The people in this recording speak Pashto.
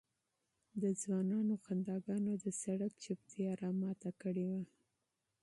د ځوانانو خنداګانو د سړک چوپتیا را ماته کړې وه.